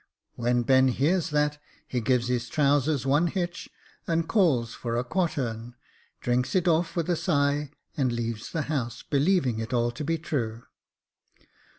When Ben heard that, he gives his trousers one hitch, and calls for a quartern, drinks it off with a sigh, and leaves the house, believing it all to be true.